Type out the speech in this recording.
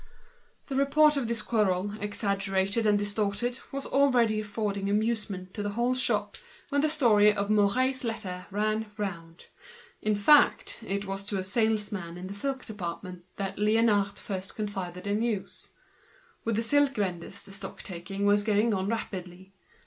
The report of this quarrel, exaggerated, misconstrued, was already affording amusement for the whole shop, when the story of Mouret's letter was circulated. In fact, it was to a salesman in the silk department that Liénard first confided the news. With the silk vendors the stock taking was going on rapidly.